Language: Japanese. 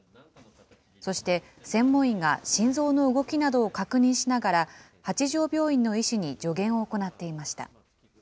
そして、専門医が心臓の動きなどを確認しながら、八丈病院の医師に助言を行っていました。